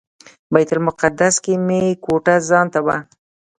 بیت المقدس کې مې کوټه ځانته وه.